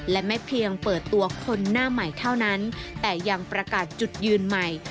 และไม่เพียงเปิดตัวคนหน้าใหม่เท่านั้นแต่ยังประกาศจุดยืนใหม่